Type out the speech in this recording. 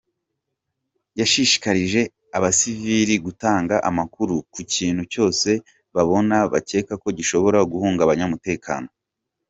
Yashishikarije abasivili gutanga amakuru ku kintu cyose babona bakeka ko gishobora guhungabanya umutekano.